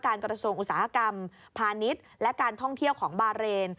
กระทรวงอุตสาหกรรมพาณิชย์และการท่องเที่ยวของบาเรน